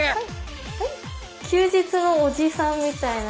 休日のおじさんみたいな。